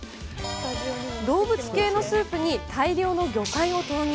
動物系のスープに大量の魚介を投入。